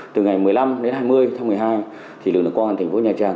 từ ngày một mươi năm đến hai mươi tháng một mươi hai lực lượng công an thành phố nha trang